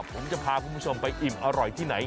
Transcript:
ผมจะพาคุณผู้ชมไปอิ่มอร่อยที่ไหน